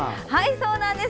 そうなんです。